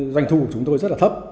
doanh thu của chúng tôi rất là thấp